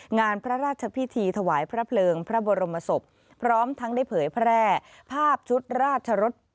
งานพระราชพิธีถวายพระเพลิงพระบรมศพพร้อมทั้งได้เผยแพร่ภาพชุดราชรส